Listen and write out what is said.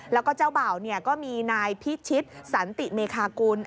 แล้วก็เจ้าบ่าวก็มีนายพิชิตสันติเมคากุล